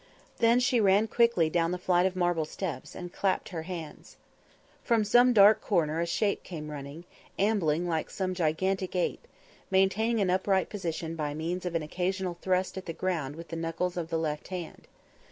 Then she ran quickly down the flight of marble steps, and clapped her hands. From some dark corner a shape came running, ambling like some gigantic ape, maintaining an upright position by means of an occasional thrust at the ground with the knuckles of the left hand.